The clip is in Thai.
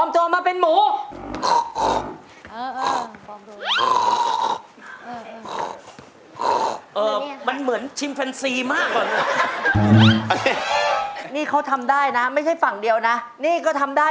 ทำไมต้องทำยังไงล่ะหรอกเอะทำไม